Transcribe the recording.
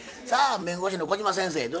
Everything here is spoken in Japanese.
さあ弁護士の小島先生